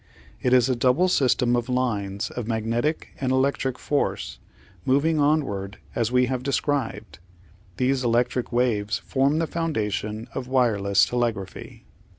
It is a double system of lines of magnetic and electric force moving onward as we have described. These electric waves form the foundation of wireless telegraphy.